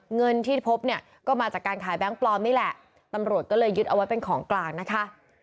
เงินที่พบเนี่ยก็มาจากการขายแบงค์ปลอมนี่แหละตำรวจก็เลยยึดเอาไว้เป็นของกลางนะคะ